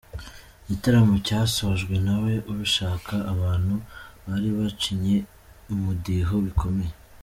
Igitaramo cyasojwe ntawe ubishaka, abantu bari bacinye umudiho bikomeye.